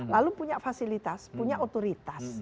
lalu punya fasilitas punya otoritas